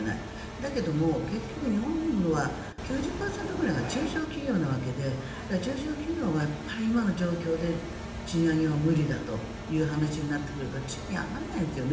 だけど結局日本は９０％ぐらいが中小企業なわけで中小企業はやっぱり今の状況で賃上げは無理だという話になってくると賃金上がらないんですよね。